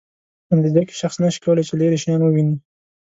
په نتیجه کې شخص نشي کولای چې لیرې شیان وویني.